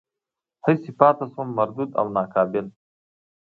هسې پاتې شوم مردود او ناقابل.